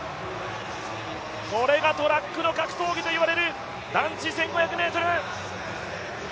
これがトラックの格闘技といわれる男子１５００ｍ。